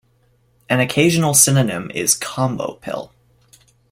An occasional synonym is "combopill".